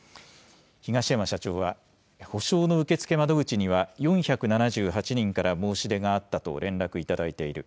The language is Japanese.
東山社長は、補償の受け付け窓口には４７８人から申し出があったと連絡いただいている。